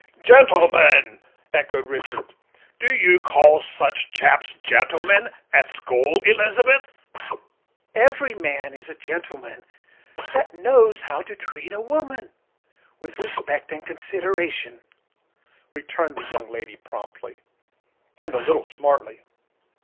"Gentleman!" echoed Richard; "do you call such chaps gentlemen, at school, Elizabeth?" "Every man is a gentleman that knows how to treat a woman with respect and consideration," returned the young lady promptly, and a little smartly.